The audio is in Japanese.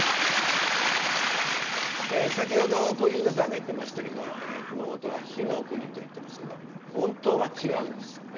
先ほど小遊三さんが言ってましたけど熊本は火の国といってますけど本当は違うんです。